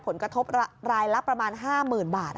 ผลกระทบรายลักษณ์ประมาณ๕หมื่นบาท